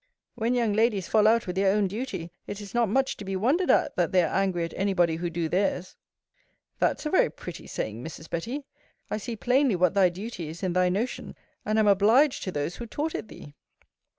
When young ladies fall out with their own duty, it is not much to be wondered at, that they are angry at any body who do theirs. That's a very pretty saying, Mrs. Betty! I see plainly what thy duty is in thy notion, and am obliged to those who taught it thee.